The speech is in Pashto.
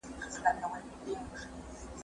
زه هره ورځ سبزیجات تياروم!.